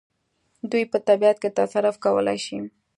دوی په طبیعت کې تصرف کولای شي.